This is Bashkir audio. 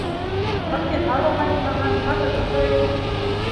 Фатиха ла ҡайтмаған, хатығыҙ ҙа юҡ.